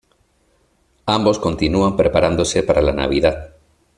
Ambos continúan preparándose para la Navidad.